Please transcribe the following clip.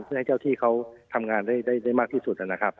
เพื่อให้เจ้าที่เขาทำงานได้มากที่สุดนะครับ